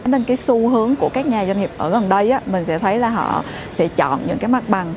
nên cái xu hướng của các nhà doanh nghiệp ở gần đây mình sẽ thấy là họ sẽ chọn những cái mặt bằng